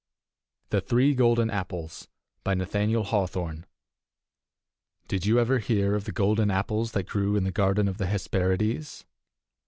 THE THREE GOLDEN APPLES NATHANIEL HAWTHORNE Did you ever hear of the golden apples that grew in the garden of the Hesperides?